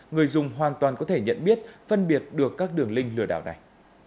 người dùng hoàn toàn có thể nhận biết phân biệt được các đường link lừa đảo này